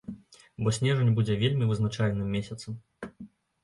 Бо снежань будзе вельмі вызначальным месяцам.